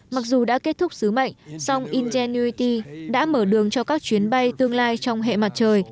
mặc dù đã kết thúc sứ mệnh song ingen newti đã mở đường cho các chuyến bay tương lai trong hệ mặt trời